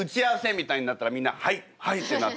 みたいになったらみんな「はい！はい！」ってなるの？